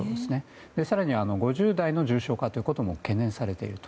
更には５０代の重症化も懸念されていると。